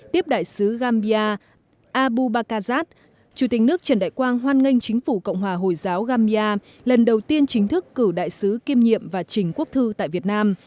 tiếp đại sứ gambia abu bakazat chủ tịch nước trần đại quang hoan nghênh chính phủ cộng hòa hồi giáo gambia lần đầu tiên chính thức cử đại sứ kiêm nhiệm và trình quốc thư tại việt nam